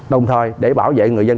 đồng thời để bảo vệ người dân